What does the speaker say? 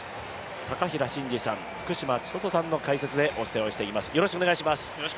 高平慎士さん、福島千里さんの解説でお伝えをしてまいります。